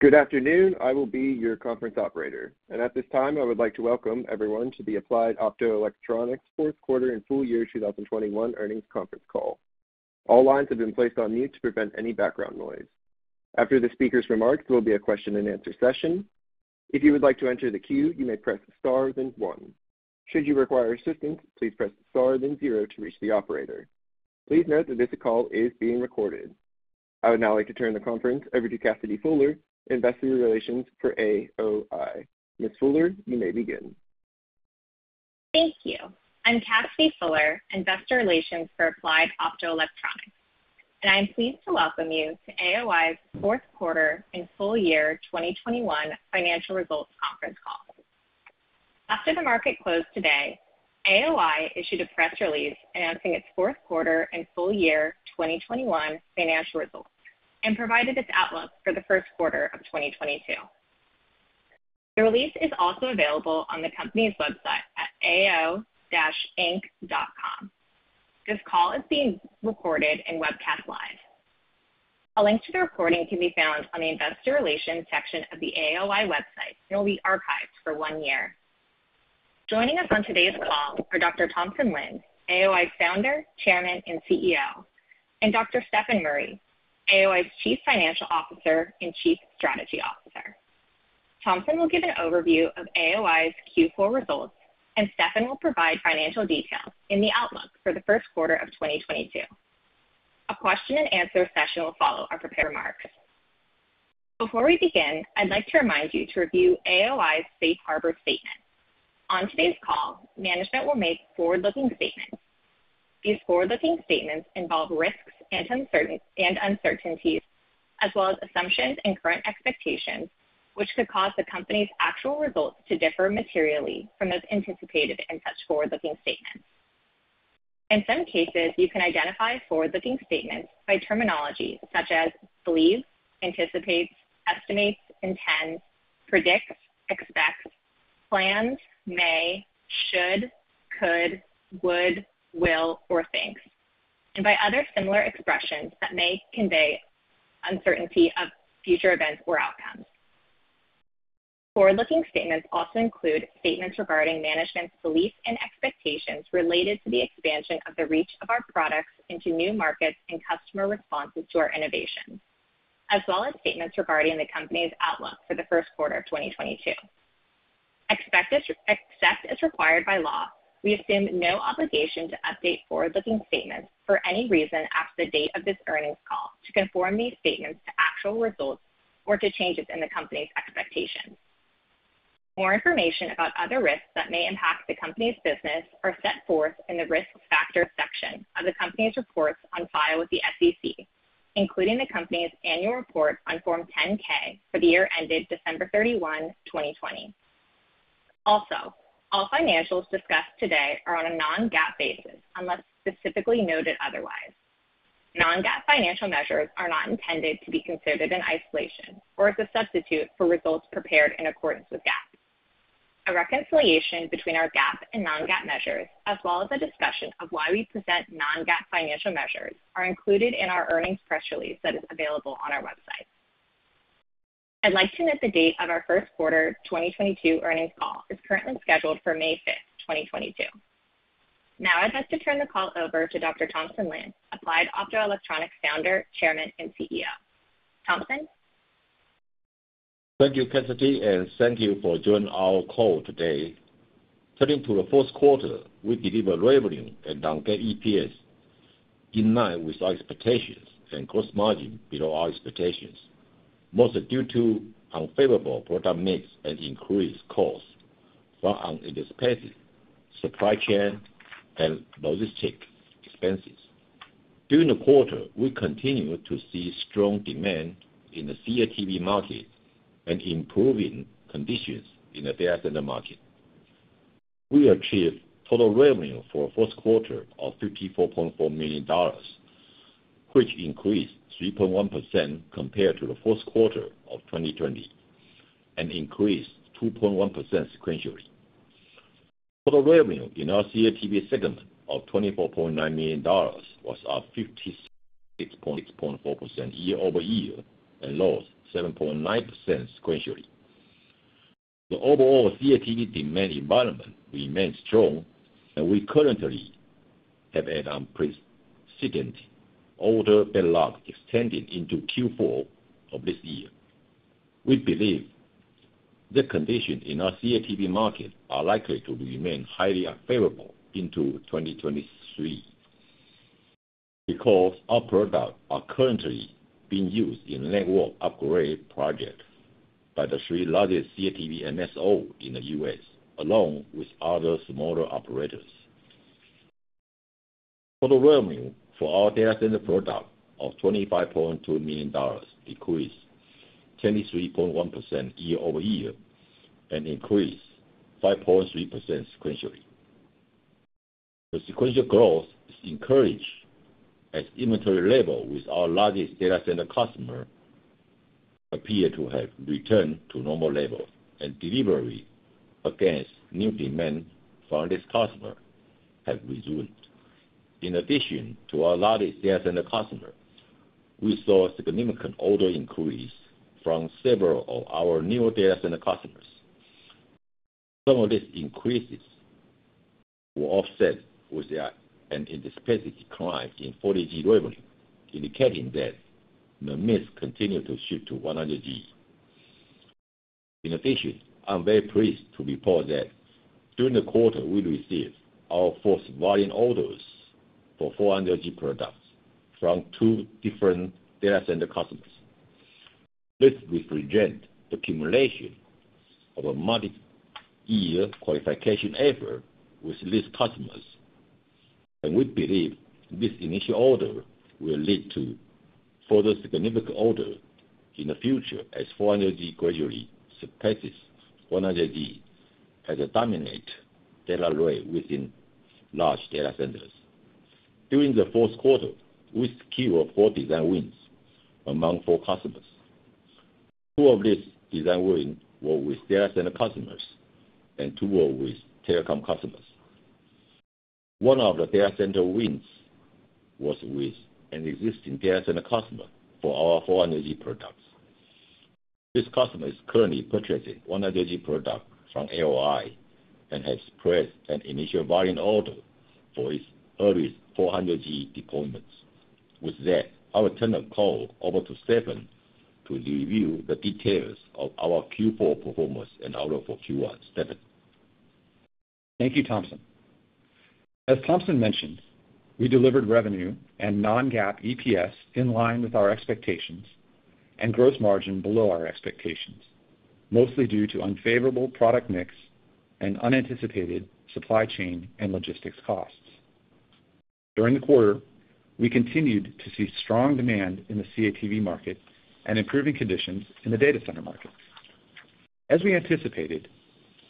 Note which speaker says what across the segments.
Speaker 1: Good afternoon. I will be your conference operator. At this time, I would like to welcome everyone to the Applied Optoelectronics fourth quarter and full year 2021 earnings conference call. All lines have been placed on mute to prevent any background noise. After the speaker's remarks, there will be a question-and-answer session. If you would like to enter the queue, you may press star then one. Should you require assistance, please press star then zero to reach the operator. Please note that this call is being recorded. I would now like to turn the conference over to Cassidy Fuller, Investor Relations for AOI. Ms. Fuller, you may begin.
Speaker 2: Thank you. I'm Cassidy Fuller, investor relations for Applied Optoelectronics, and I'm pleased to welcome you to AOI's fourth quarter and full year 2021 financial results conference call. After the market closed today, AOI issued a press release announcing its fourth quarter and full year 2021 financial results and provided its outlook for the first quarter of 2022. The release is also available on the company's website at ao-inc.com. This call is being recorded and webcast live. A link to the recording can be found on the investor relations section of the AOI website and will be archived for one year. Joining us on today's call are Dr. Thompson Lin, AOI's founder, chairman, and CEO, and Dr. Stefan Murry, AOI's Chief Financial Officer and Chief Strategy Officer. Thompson will give an overview of AOI's Q4 results, and Stefan will provide financial details in the outlook for the first quarter of 2022. A question-and-answer session will follow our prepared remarks. Before we begin, I'd like to remind you to review AOI's Safe Harbor statement. On today's call, management will make forward-looking statements. These forward-looking statements involve risks and uncertainties, as well as assumptions and current expectations, which could cause the company's actual results to differ materially from those anticipated in such forward-looking statements. In some cases, you can identify forward-looking statements by terminology such as believe, anticipate, estimate, intend, predict, expect, plan, may, should, could, would, will, or think, and by other similar expressions that may convey uncertainty of future events or outcomes. Forward-looking statements also include statements regarding management's beliefs and expectations related to the expansion of the reach of our products into new markets and customer responses to our innovations, as well as statements regarding the company's outlook for the first quarter of 2022. Except as required by law, we assume no obligation to update forward-looking statements for any reason after the date of this earnings call to conform these statements to actual results or to changes in the company's expectations. More information about other risks that may impact the company's business are set forth in the Risk Factors section of the company's reports on file with the SEC, including the company's annual report on Form 10-K for the year ended December 31, 2020. Also, all financials discussed today are on a non-GAAP basis, unless specifically noted otherwise. Non-GAAP financial measures are not intended to be considered in isolation or as a substitute for results prepared in accordance with GAAP. A reconciliation between our GAAP and non-GAAP measures, as well as a discussion of why we present non-GAAP financial measures, are included in our earnings press release that is available on our website. I'd like to note the date of our first quarter 2022 earnings call is currently scheduled for May 5, 2022. Now I'd like to turn the call over to Dr. Thompson Lin, Applied Optoelectronics Founder, Chairman, and CEO. Thompson?
Speaker 3: Thank you, Cassidy, and thank you for joining our call today. Turning to the fourth quarter, we delivered revenue and non-GAAP EPS in line with our expectations and gross margin below our expectations, mostly due to unfavorable product mix and increased costs from unanticipated supply chain and logistics expenses. During the quarter, we continued to see strong demand in the CATV market and improving conditions in the data center market. We achieved total revenue for fourth quarter of $54.4 million, which increased 3.1% compared to the fourth quarter of 2020 and increased 2.1% sequentially. Total revenue in our CATV segment of $24.9 million was up 56.4% year-over-year and down 7.9% sequentially. The overall CATV demand environment remains strong, and we currently have an unprecedented order backlog extending into Q4 of this year. We believe the conditions in our CATV market are likely to remain highly unfavorable into 2023 because our products are currently being used in network upgrade projects by the three largest CATV MSOs in the U.S., along with other smaller operators. Total revenue for our data center product of $25.2 million decreased 23.1% year-over-year and increased 5.3% sequentially. The sequential growth is encouraged as inventory level with our largest data center customer appear to have returned to normal levels, and delivery against new demand from this customer have resumed. In addition to our largest data center customer, we saw a significant order increase from several of our new data center customers. Some of these increases were offset with an anticipated decline in 40G revenue, indicating that the mix continued to shift to 100G. In addition, I'm very pleased to report that during the quarter, we received our first volume orders for 400G products from two different data center customers. This represent the accumulation of a multi-year qualification effort with these customers, and we believe this initial order will lead to further significant order in the future as 400G gradually surpasses 100G as a dominant data rate within large data centers. During the fourth quarter, we secured four design wins among four customers. Two of these design wins were with data center customers and two were with telecom customers. One of the data center wins was with an existing data center customer for our 400G products. This customer is currently purchasing 100G product from AOI and has placed an initial volume order for its earliest 400G deployments. With that, I will turn the call over to Stefan to review the details of our Q4 performance and outlook for Q1. Stefan.
Speaker 4: Thank you, Thompson. As Thompson mentioned, we delivered revenue and non-GAAP EPS in line with our expectations and gross margin below our expectations, mostly due to unfavorable product mix and unanticipated supply chain and logistics costs. During the quarter, we continued to see strong demand in the CATV market and improving conditions in the data center markets. As we anticipated,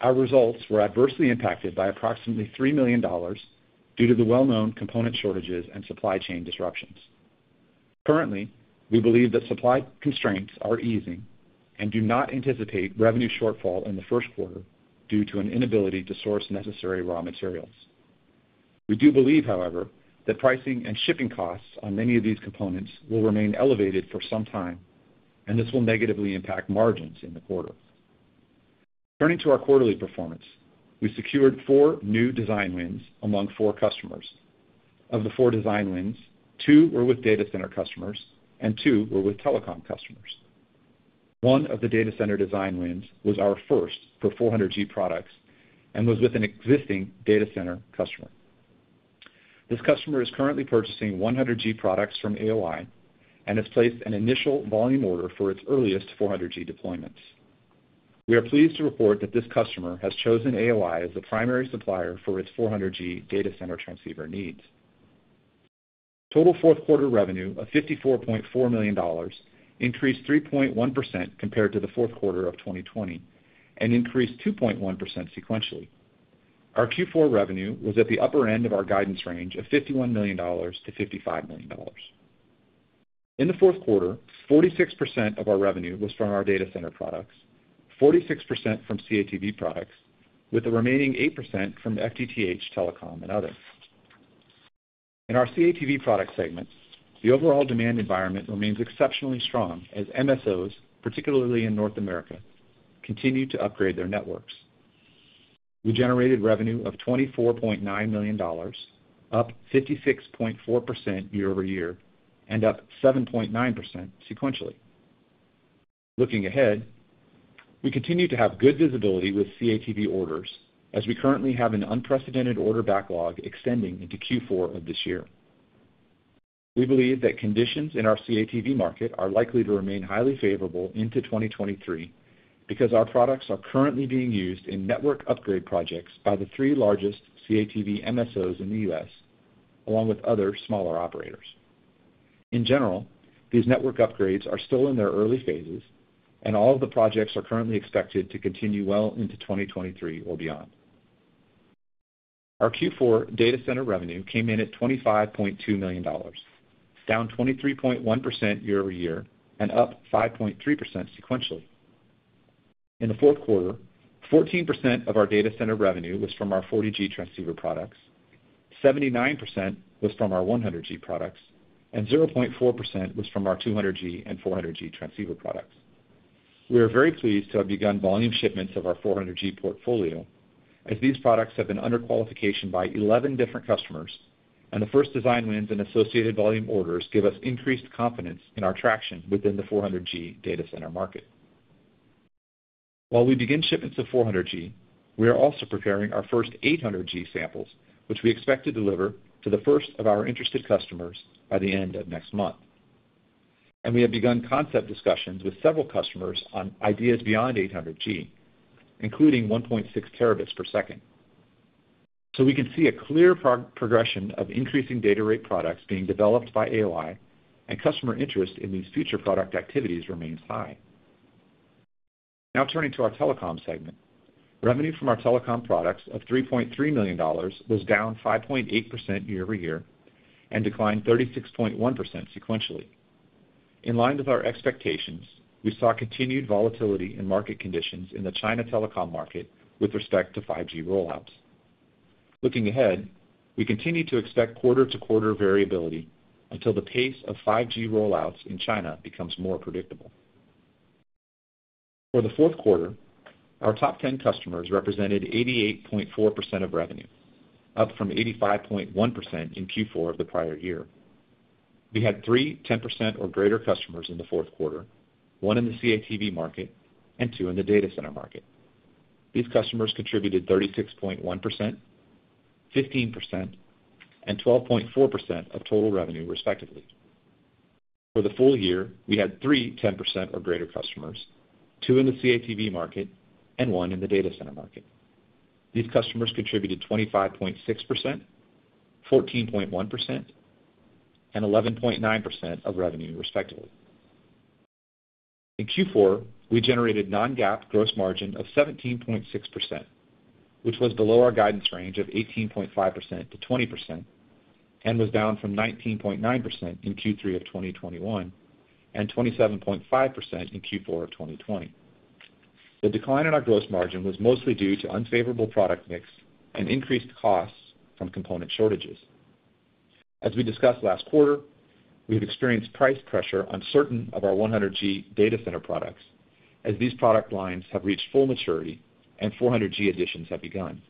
Speaker 4: our results were adversely impacted by approximately $3 million due to the well-known component shortages and supply chain disruptions. Currently, we believe that supply constraints are easing and do not anticipate revenue shortfall in the first quarter due to an inability to source necessary raw materials. We do believe, however, that pricing and shipping costs on many of these components will remain elevated for some time, and this will negatively impact margins in the quarter. Turning to our quarterly performance, we secured four new design wins among four customers. Of the four design wins, two were with data center customers and two were with telecom customers. One of the data center design wins was our first for 400G products and was with an existing data center customer. This customer is currently purchasing 100G products from AOI and has placed an initial volume order for its earliest 400G deployments. We are pleased to report that this customer has chosen AOI as the primary supplier for its 400G data center transceiver needs. Total fourth quarter revenue of $54.4 million increased 3.1% compared to the fourth quarter of 2020, and increased 2.1% sequentially. Our Q4 revenue was at the upper end of our guidance range of $51 million-$55 million. In the fourth quarter, 46% of our revenue was from our data center products, 46% from CATV products, with the remaining 8% from FTTH Telecom and other. In our CATV product segment, the overall demand environment remains exceptionally strong as MSOs, particularly in North America, continue to upgrade their networks. We generated revenue of $24.9 million, up 56.4% year over year, and up 7.9% sequentially. Looking ahead, we continue to have good visibility with CATV orders as we currently have an unprecedented order backlog extending into Q4 of this year. We believe that conditions in our CATV market are likely to remain highly favorable into 2023 because our products are currently being used in network upgrade projects by the three largest CATV MSOs in the U.S., along with other smaller operators. In general, these network upgrades are still in their early phases, and all of the projects are currently expected to continue well into 2023 or beyond. Our Q4 data center revenue came in at $25.2 million, down 23.1% year-over-year and up 5.3% sequentially. In the fourth quarter, 14% of our data center revenue was from our 40G transceiver products, 79% was from our 100G products, and 0.4% was from our 200G and 400G transceiver products. We are very pleased to have begun volume shipments of our 400G portfolio as these products have been under qualification by 11 different customers, and the first design wins and associated volume orders give us increased confidence in our traction within the 400G data center market. While we begin shipments of 400G, we are also preparing our first 800G samples, which we expect to deliver to the first of our interested customers by the end of next month. We have begun concept discussions with several customers on ideas beyond 800G, including 1.6 Tbps. We can see a clear progression of increasing data rate products being developed by AOI and customer interest in these future product activities remains high. Now turning to our telecom segment. Revenue from our telecom products of $3.3 million was down 5.8% year-over-year and declined 36.1% sequentially. In line with our expectations, we saw continued volatility in market conditions in the China telecom market with respect to 5G rollouts. Looking ahead, we continue to expect quarter-to-quarter variability until the pace of 5G rollouts in China becomes more predictable. For the fourth quarter, our top 10 customers represented 88.4% of revenue, up from 85.1% in Q4 of the prior year. We had three 10% or greater customers in the fourth quarter, one in the CATV market and two in the data center market. These customers contributed 36.1%, 15%, and 12.4% of total revenue, respectively. For the full year, we had three 10% or greater customers, two in the CATV market and one in the data center market. These customers contributed 25.6%, 14.1%, and 11.9% of revenue, respectively. In Q4, we generated non-GAAP gross margin of 17.6%, which was below our guidance range of 18.5%-20% and was down from 19.9% in Q3 of 2021 and 27.5% in Q4 of 2020. The decline in our gross margin was mostly due to unfavorable product mix and increased costs from component shortages. As we discussed last quarter, we have experienced price pressure on certain of our 100G data center products as these product lines have reached full maturity and 400G additions have begun.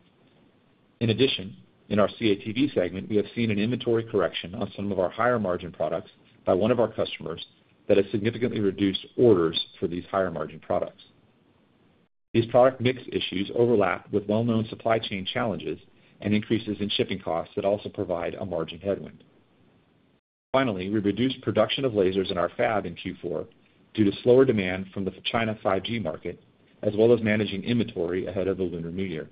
Speaker 4: In addition, in our CATV segment, we have seen an inventory correction on some of our higher margin products by one of our customers that has significantly reduced orders for these higher margin products. These product mix issues overlap with well-known supply chain challenges and increases in shipping costs that also provide a margin headwind. Finally, we reduced production of lasers in our fab in Q4 due to slower demand from the China 5G market, as well as managing inventory ahead of the Lunar New Year.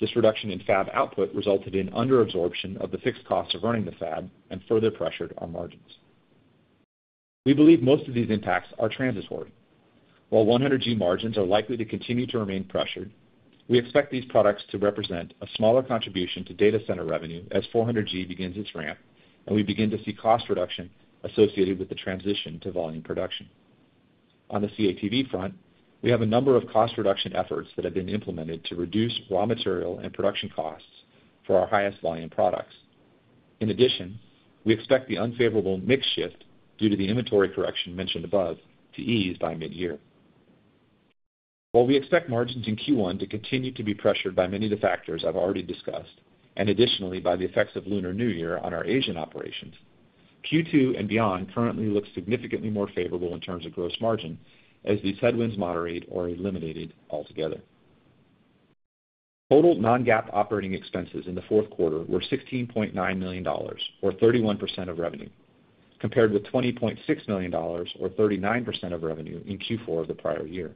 Speaker 4: This reduction in fab output resulted in under absorption of the fixed cost of running the fab and further pressured our margins. We believe most of these impacts are transitory. While 100G margins are likely to continue to remain pressured, we expect these products to represent a smaller contribution to data center revenue as 400G begins its ramp, and we begin to see cost reduction associated with the transition to volume production. On the CATV front, we have a number of cost reduction efforts that have been implemented to reduce raw material and production costs for our highest volume products. In addition, we expect the unfavorable mix shift due to the inventory correction mentioned above to ease by mid-year. While we expect margins in Q1 to continue to be pressured by many of the factors I've already discussed, and additionally by the effects of Lunar New Year on our Asian operations, Q2 and beyond currently looks significantly more favorable in terms of gross margin as these headwinds moderate or eliminated altogether. Total non-GAAP operating expenses in the fourth quarter were $16.9 million, or 31% of revenue, compared with $20.6 million or 39% of revenue in Q4 of the prior year.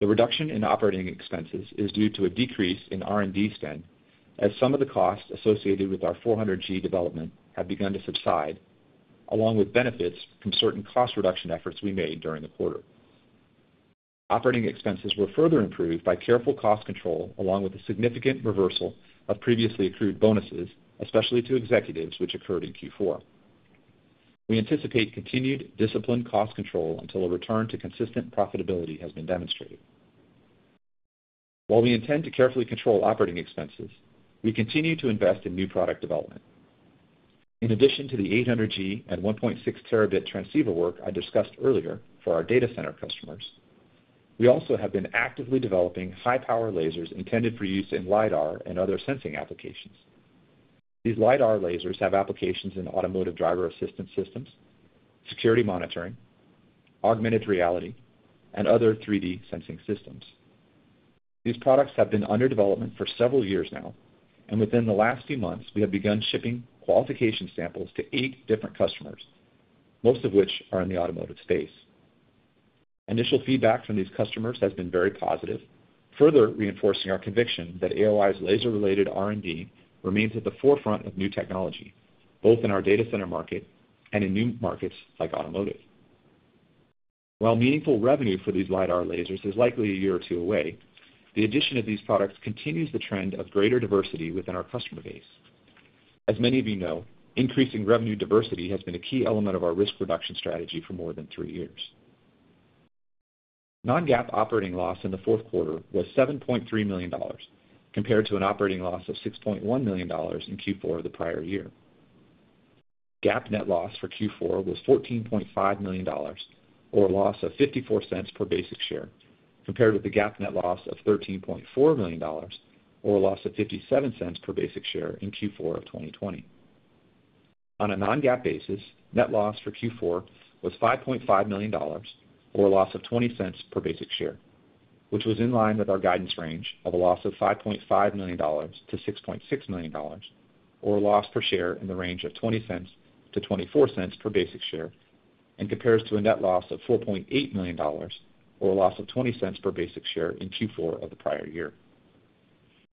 Speaker 4: The reduction in operating expenses is due to a decrease in R&D spend, as some of the costs associated with our 400G development have begun to subside, along with benefits from certain cost reduction efforts we made during the quarter. Operating expenses were further improved by careful cost control, along with a significant reversal of previously accrued bonuses, especially to executives, which occurred in Q4. We anticipate continued disciplined cost control until a return to consistent profitability has been demonstrated. While we intend to carefully control operating expenses, we continue to invest in new product development. In addition to the 800G and 1.6 Tb transceiver work I discussed earlier for our data center customers, we also have been actively developing high-power lasers intended for use in lidar and other sensing applications. These lidar lasers have applications in automotive driver assistance systems, security monitoring, augmented reality, and other 3D sensing systems. These products have been under development for several years now, and within the last few months, we have begun shipping qualification samples to eight different customers, most of which are in the automotive space. Initial feedback from these customers has been very positive, further reinforcing our conviction that AOI's laser-related R&D remains at the forefront of new technology, both in our data center market and in new markets like automotive. While meaningful revenue for these lidar lasers is likely a year or two away, the addition of these products continues the trend of greater diversity within our customer base. As many of you know, increasing revenue diversity has been a key element of our risk reduction strategy for more than three years. Non-GAAP operating loss in the fourth quarter was $7.3 million, compared to an operating loss of $6.1 million in Q4 of the prior year. GAAP net loss for Q4 was $14.5 million, or a loss of $0.54 per basic share, compared with the GAAP net loss of $13.4 million, or a loss of $0.57 per basic share in Q4 of 2020. On a non-GAAP basis, net loss for Q4 was $5.5 million or a loss of $0.20 per basic share, which was in line with our guidance range of a loss of $5.5 million-$6.6 million, or a loss per share in the range of $0.20-$0.24 per basic share, and compares to a net loss of $4.8 million or a loss of $0.20 per basic share in Q4 of the prior year.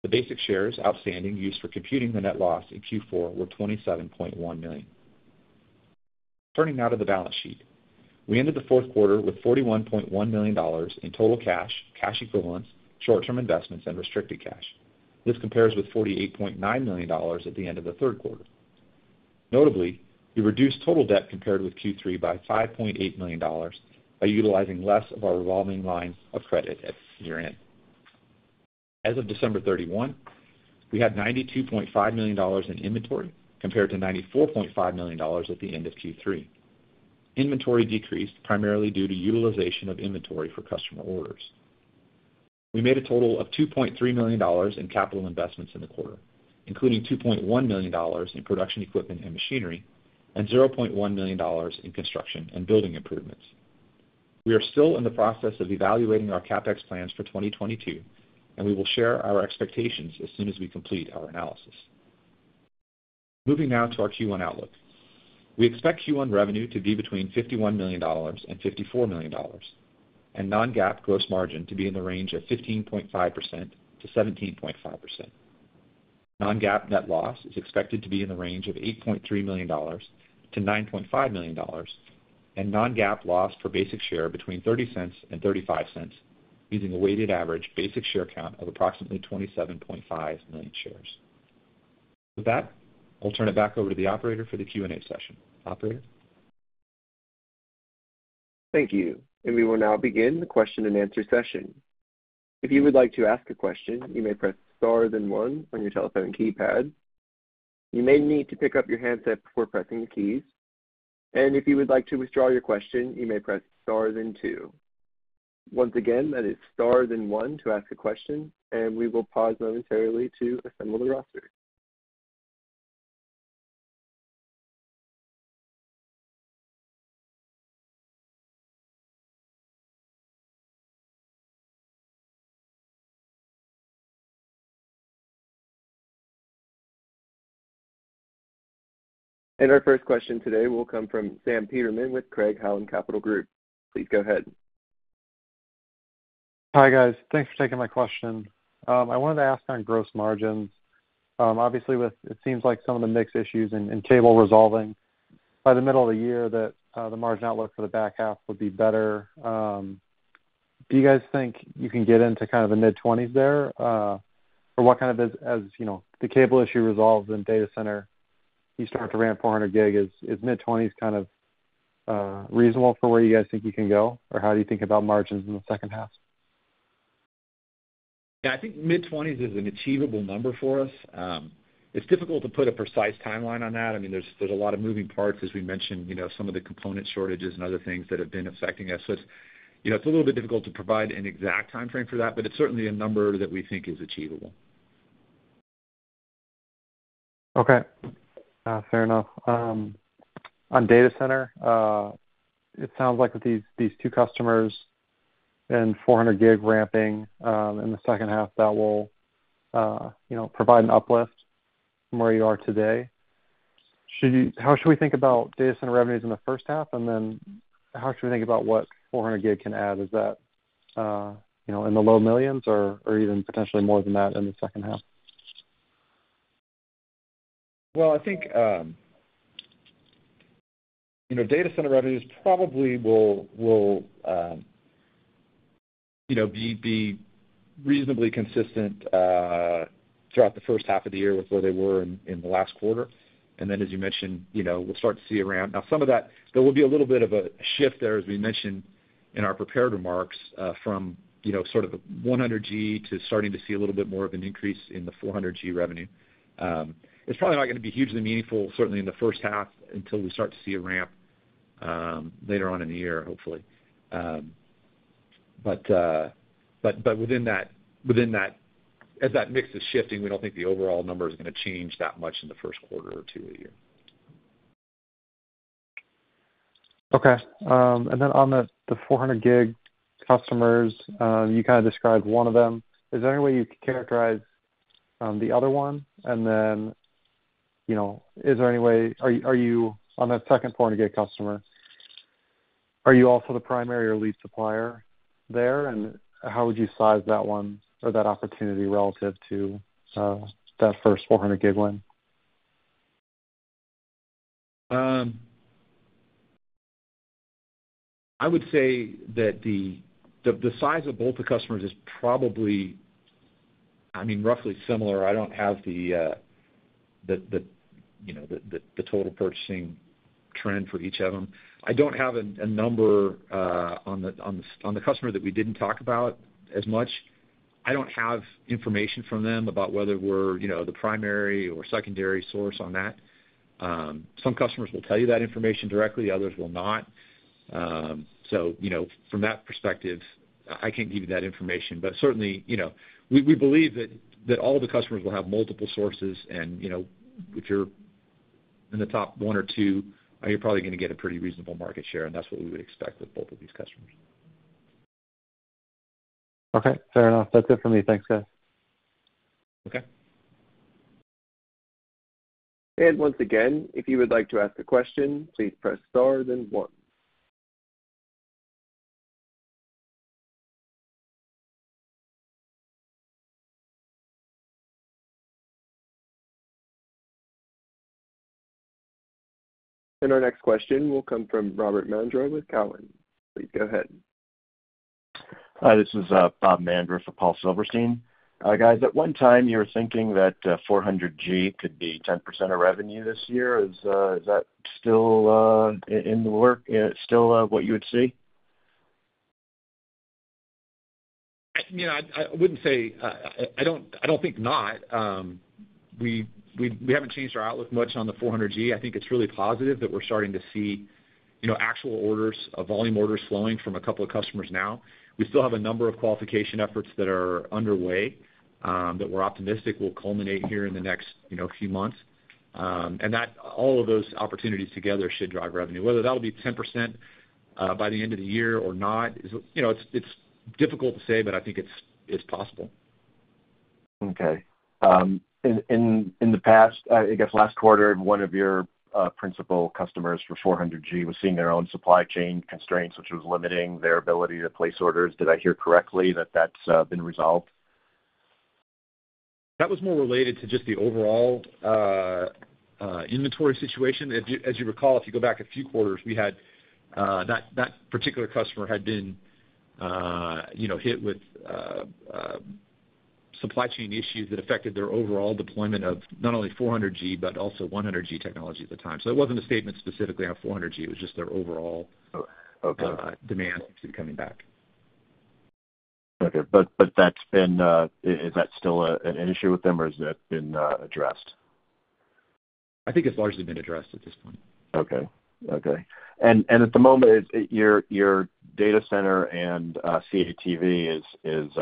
Speaker 4: The basic shares outstanding used for computing the net loss in Q4 were $27.1 million. Turning now to the balance sheet. We ended the fourth quarter with $41.1 million in total cash equivalents, short-term investments, and restricted cash. This compares with $48.9 million at the end of the third quarter. Notably, we reduced total debt compared with Q3 by $5.8 million by utilizing less of our revolving line of credit at year-end. As of December 31, we had $92.5 million in inventory compared to $94.5 million at the end of Q3. Inventory decreased primarily due to utilization of inventory for customer orders. We made a total of $2.3 million in capital investments in the quarter, including $2.1 million in production equipment and machinery and $0.1 million in construction and building improvements. We are still in the process of evaluating our CapEx plans for 2022, and we will share our expectations as soon as we complete our analysis. Moving now to our Q1 outlook. We expect Q1 revenue to be between $51 million and $54 million, and non-GAAP gross margin to be in the range of 15.5%-17.5%. Non-GAAP net loss is expected to be in the range of $8.3 million to $9.5 million and non-GAAP loss per basic share between $0.30 and $0.35, using a weighted average basic share count of approximately 27.5 million shares. With that, I'll turn it back over to the operator for the Q and A session. Operator?
Speaker 1: Thank you. We will now begin the question-and-answer session. If you would like to ask a question, you may press star then one on your telephone keypad. You may need to pick up your handset before pressing the keys. If you would like to withdraw your question, you may press star then two. Once again, that is star then one to ask a question, and we will pause momentarily to assemble the roster. Our first question today will come from Sam Peterman with Craig-Hallum Capital Group. Please go ahead.
Speaker 5: Hi, guys. Thanks for taking my question. I wanted to ask on gross margins. Obviously, it seems like some of the mix issues and cable resolving by the middle of the year that the margin outlook for the back half would be better. Do you guys think you can get into kind of the mid-20s% there? Or what kind of, as you know, the cable issue resolves in data center, you start to ramp 400G, is mid-20s% kind of reasonable for where you guys think you can go? Or how do you think about margins in the second half?
Speaker 4: Yeah. I think mid-20s is an achievable number for us. It's difficult to put a precise timeline on that. I mean, there's a lot of moving parts, as we mentioned, you know, some of the component shortages and other things that have been affecting us. It's, you know, it's a little bit difficult to provide an exact timeframe for that, but it's certainly a number that we think is achievable.
Speaker 5: Okay. Fair enough. On data center, it sounds like with these two customers and 400G ramping in the second half that will, you know, provide an uplift from where you are today. How should we think about data center revenues in the first half? How should we think about what 400G can add? Is that, you know, in the low millions or even potentially more than that in the second half?
Speaker 4: Well, I think, you know, data center revenues probably will, you know, be reasonably consistent throughout the first half of the year with where they were in the last quarter. Then as you mentioned, you know, we'll start to see a ramp. Now some of that, there will be a little bit of a shift there, as we mentioned in our prepared remarks, from, you know, sort of a 100G to starting to see a little bit more of an increase in the 400G revenue. It's probably not gonna be hugely meaningful certainly in the first half until we start to see a ramp, later on in the year, hopefully. Within that, as that mix is shifting, we don't think the overall number is gonna change that much in the first quarter or two a year.
Speaker 5: Okay. On the 400G customers, you kinda described one of them. Is there any way you could characterize the other one? You know, on the second 400G customer, are you also the primary or lead supplier there? And how would you size that one or that opportunity relative to that first 400G one?
Speaker 4: I would say that the size of both the customers is probably, I mean, roughly similar. I don't have the, you know, the total purchasing trend for each of them. I don't have a number on the customer that we didn't talk about as much. I don't have information from them about whether we're, you know, the primary or secondary source on that. Some customers will tell you that information directly, others will not. You know, from that perspective, I can't give you that information. Certainly, you know, we believe that all the customers will have multiple sources and, you know, if you're in the top one or two, you're probably gonna get a pretty reasonable market share, and that's what we would expect with both of these customers.
Speaker 5: Okay. Fair enough. That's it for me. Thanks, guys.
Speaker 4: Okay.
Speaker 1: Once again, if you would like to ask a question, please press star then one. Our next question will come from Robert Mandra with Cowen. Please go ahead.
Speaker 6: Hi, this is Bob Mandra for Paul Silverstein. Guys, at one time, you were thinking that 400G could be 10% of revenue this year. Is that still in the works? Is it still what you would see?
Speaker 4: You know, I wouldn't say I don't think not. We haven't changed our outlook much on the 400G. I think it's really positive that we're starting to see you know actual orders, volume orders flowing from a couple of customers now. We still have a number of qualification efforts that are underway that we're optimistic will culminate here in the next you know few months, and that all of those opportunities together should drive revenue. Whether that'll be 10% by the end of the year or not is you know it's difficult to say, but I think it's possible.
Speaker 6: Okay. In the past, I guess last quarter, one of your principal customers for 400G was seeing their own supply chain constraints, which was limiting their ability to place orders. Did I hear correctly that that's been resolved?
Speaker 4: That was more related to just the overall inventory situation. As you recall, if you go back a few quarters, we had that particular customer had been you know hit with supply chain issues that affected their overall deployment of not only 400G but also 100G technology at the time. It wasn't a statement specifically on 400G. It was just their overall-
Speaker 6: Oh, okay.
Speaker 4: Demand coming back.
Speaker 6: Is that still an issue with them, or has that been addressed?
Speaker 4: I think it's largely been addressed at this point.
Speaker 6: At the moment, your data center and CATV is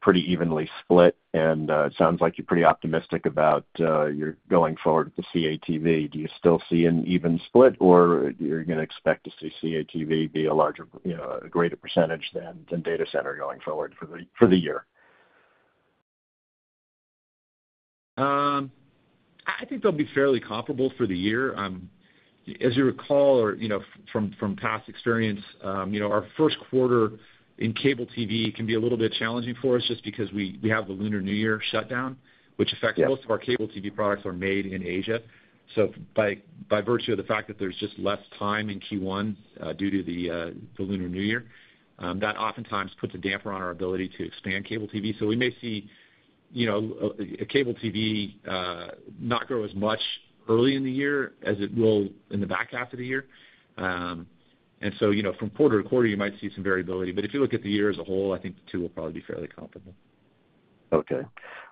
Speaker 6: pretty evenly split, and it sounds like you're pretty optimistic about your going forward with the CATV. Do you still see an even split, or you're gonna expect to see CATV be a larger, you know, a greater percentage than data center going forward for the year?
Speaker 4: I think they'll be fairly comparable for the year. As you recall or, you know, from past experience, you know, our first quarter in cable TV can be a little bit challenging for us just because we have the Lunar New Year shutdown.
Speaker 6: Yeah.
Speaker 4: Which affects most of our cable TV products are made in Asia. By virtue of the fact that there's just less time in Q1 due to the Lunar New Year, that oftentimes puts a damper on our ability to expand cable TV. We may see, you know, cable TV not grow as much early in the year as it will in the back half of the year. You know, from quarter to quarter, you might see some variability, but if you look at the year as a whole, I think the two will probably be fairly comparable.
Speaker 6: Okay.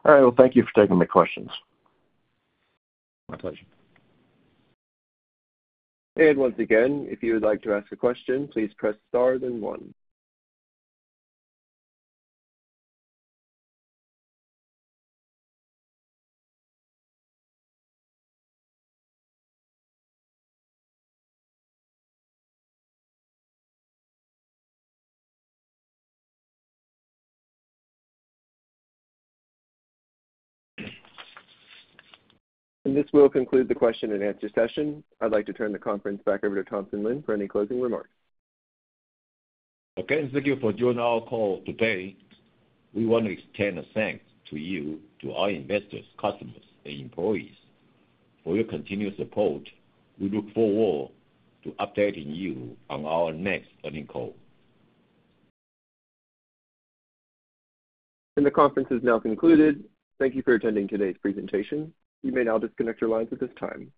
Speaker 6: All right. Well, thank you for taking my questions.
Speaker 4: My pleasure.
Speaker 1: Once again, if you would like to ask a question, please press star then one. This will conclude the question and answer session. I'd like to turn the conference back over to Thompson Lin for any closing remarks.
Speaker 3: Okay. Thank you for joining our call today. We want to extend a thanks to you, to our investors, customers, and employees for your continued support. We look forward to updating you on our next earnings call.
Speaker 1: The conference is now concluded. Thank you for attending today's presentation. You may now disconnect your lines at this time.